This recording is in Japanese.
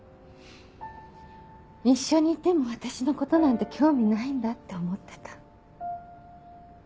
一緒にいても私のことなんて興味ないんだって思ってた。